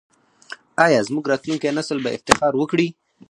آیا زموږ راتلونکی نسل به افتخار وکړي؟